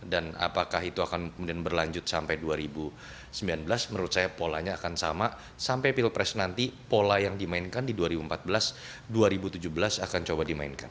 dan apakah itu akan berlanjut sampai dua ribu sembilan belas menurut saya polanya akan sama sampai pilpres nanti pola yang dimainkan di dua ribu empat belas dua ribu tujuh belas akan coba dimainkan